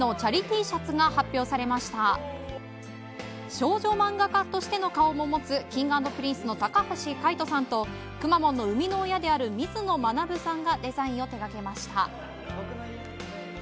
少女漫画家としての顔も持つＫｉｎｇ＆Ｐｒｉｎｃｅの高橋海人さんとくまモンの生みの親である水野学さんがデザインを手がけました。